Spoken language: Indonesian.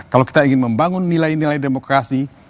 kalau kita ingin membangun nilai nilai demokrasi